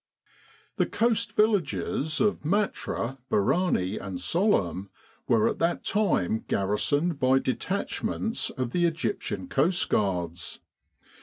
The coast villages of Matruh, Barani and Sollum were at that time garrisoned by detachments of the Egyptian Coastguards.